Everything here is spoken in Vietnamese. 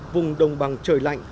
vùng đồng bằng trời lạnh